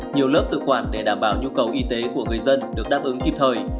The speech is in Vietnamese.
nhiều lớp tự quản để đảm bảo nhu cầu y tế của người dân được đáp ứng kịp thời